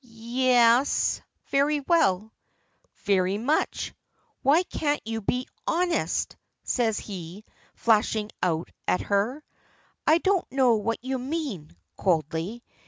"Ye es very well." "Very much! Why can't you be honest!" says he flashing out at her. "I don't know what you mean," coldly.